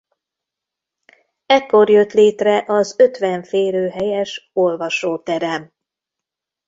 Ekkor jött létre az ötven férőhelyes olvasóterem.